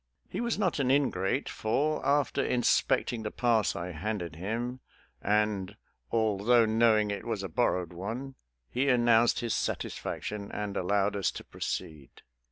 He was not an ingrate, for, after inspecting the pass I handed him, and, although knowing it was a borrowed one, he announced his satisfaction and allowed us to proceed.